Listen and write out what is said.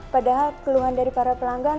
padahal keluhan dari para pelanggan